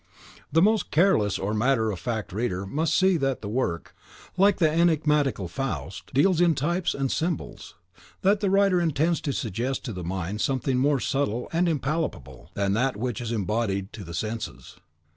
The most careless or matter of fact reader must see that the work, like the enigmatical "Faust," deals in types and symbols; that the writer intends to suggest to the mind something more subtle and impalpable than that which is embodied to the senses.